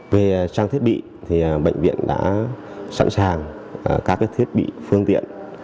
về trang thiết bị bệnh viện đã sẵn sàng các thiết bị phương tiện